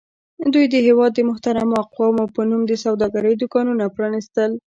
دوی د هېواد د محترمو اقوامو په نوم د سوداګرۍ دوکانونه پرانیستل.